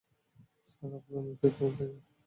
Sir, আপনার নেতৃত্ব খুবই প্রয়োজন।